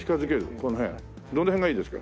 この辺どの辺がいいですか？